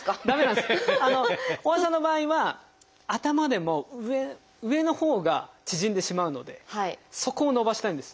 大和田さんの場合は頭でも上のほうが縮んでしまうのでそこを伸ばしたいんです。